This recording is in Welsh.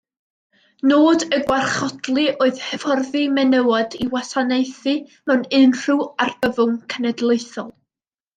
Nod y gwarchodlu oedd hyfforddi menywod i wasanaethu mewn unrhyw argyfwng cenedlaethol.